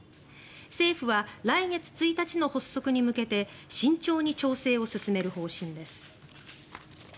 政府は来月１日の発足に向けて慎重に調整を進める方針です。